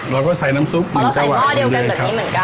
เราก็ใส่น้ำซุปหนึ่งกระหว่างหนึ่งเลยครับ